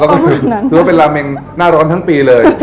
แล้วก็เป็นราเมงน่าร้อนทั้งปีเลย